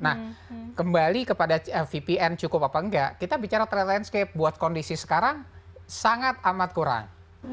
nah kembali kepada vpn cukup apa enggak kita bicara trade landscape buat kondisi sekarang sangat amat kurang